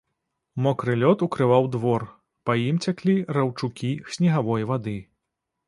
Мокры лёд укрываў двор, па ім цяклі раўчукі снегавой вады.